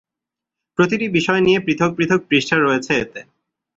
প্রতিটি বিষয় নিয়ে পৃথক পৃথক পৃষ্ঠা রয়েছে এতে।